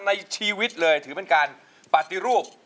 ในชีวิตเลยถือเป็นการปฏิรูป